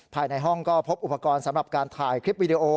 ภายในห้องก็พบอุปกรณ์สำหรับการถ่ายคลิปวิดีโอ